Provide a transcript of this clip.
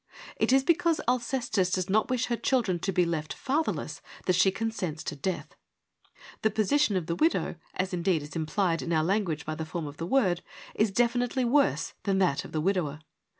It is because Alcestis does not wish her children to be left father less that she consents to death. The position of the widow — as indeed, is implied in our language by the form of the word — is definitely worse than that of the widower.